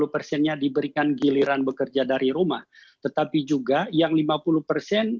lima puluh persennya diberikan giliran bekerja dari rumah tetapi juga yang lima puluh persen